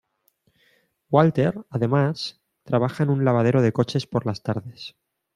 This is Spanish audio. Walter, además, trabaja en un lavadero de coches por las tardes.